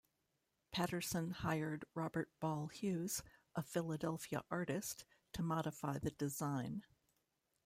Patterson hired Robert Ball Hughes, a Philadelphia artist, to modify the design.